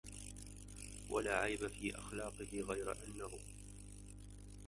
ولا عيب في أخلاقه غير أنه